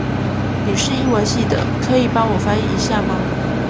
你是英文系的，可以幫我翻譯一下嗎？